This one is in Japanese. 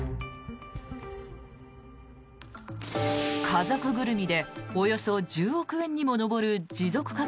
家族ぐるみでおよそ１０億円にも上る持続化